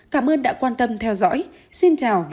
cảm ơn đã quan tâm theo dõi xin chào và hẹn gặp lại